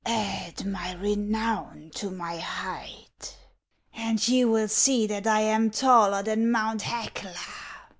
" Add my renown to my height, and you will see that I am taller than Mount Hecla."